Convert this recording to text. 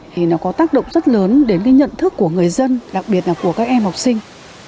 thì nó có tác động rất lớn đến cái nhận thức của người dân đặc biệt là của các em học sinh